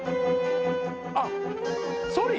あっソリ？